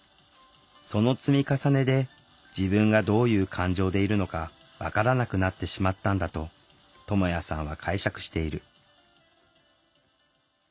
その積み重ねで自分がどういう感情でいるのか分からなくなってしまったんだとともやさんは解釈している。